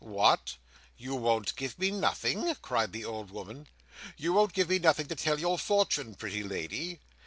"What! You won't give me nothing?" cried the old woman. "You won't give me nothing to tell your fortune, pretty lady?